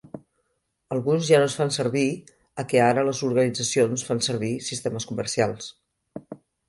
Alguns ja no es fan servir ha que ara les organitzacions fan servir sistemes comercials.